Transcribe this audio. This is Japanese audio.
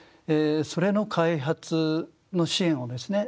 それの開発の支援をですね